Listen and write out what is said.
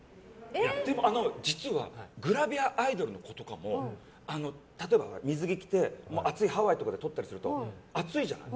でも実はグラビアアイドルの子とかも例えば水着を着て暑いハワイとかで撮ると暑いじゃない。